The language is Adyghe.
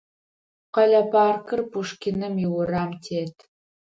Къэлэ паркыр Пушкиным иурам тет.